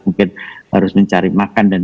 mungkin harus mencari makan dan